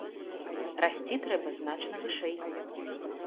Расці трэба значна вышэй.